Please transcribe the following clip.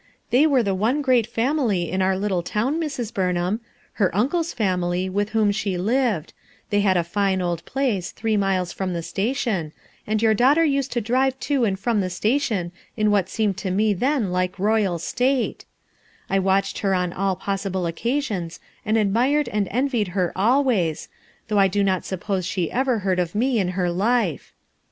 They were the one great family in our little town, Mrs. Burn ham — her uncle's family, with whom she lived; they had a fine old place, three miles from the station, and your daughter used to drive to and from the train in what seemed (o me then like royal state, I watched her on all [M)$sible occasions and admired and envied her always, though I do not suppose she ever heard of mo in her life.